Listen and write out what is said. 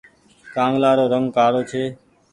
ڪآنگلآ رو رنگ ڪآڙو ڇي۔